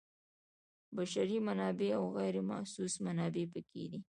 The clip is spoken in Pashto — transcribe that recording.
بشري منابع او غیر محسوس منابع پکې دي.